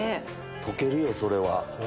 溶けるよそれは。